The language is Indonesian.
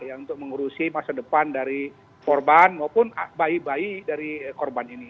untuk mengurusi masa depan dari korban maupun bayi bayi dari korban ini